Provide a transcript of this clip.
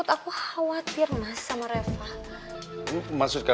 tapi mas jangan marah ya